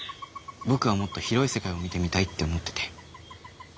僕はもっと広い世界を見てみたいって思ってて。